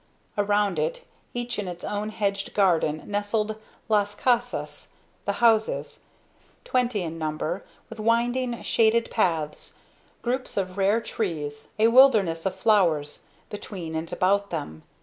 Around it, each in its own hedged garden, nestled "Las Casas" the Houses twenty in number, with winding shaded paths, groups of rare trees, a wilderness of flowers, between and about them.